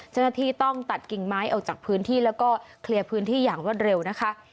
เจ้าหน้าที่ต้องตัดกิ่งไม้ออกจากพื้นที่แล้วก็เคลียร์พื้นที่อย่างรวดเร็วนะคะ